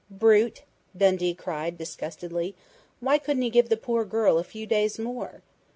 "Brute!" Dundee cried disgustedly. "Why couldn't he give the poor girl a few days more?"